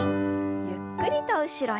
ゆっくりと後ろへ。